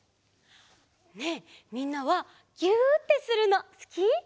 ねえみんなはぎゅってするのすき？